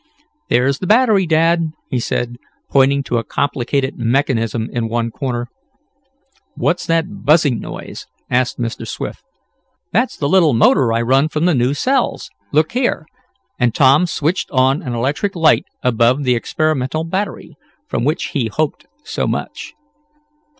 "There's the battery, Dad," he said, pointing to a complicated mechanism in one corner. "What's that buzzing noise?" asked Mr. Swift. "That's the little motor I run from the new cells. Look here," and Tom switched on an electric light above the experimental battery, from which he hoped so much.